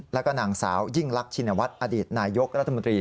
แล้วก็นางสาวยิ่งรักชินวัฒน์อดีตนายกรัฐมนตรี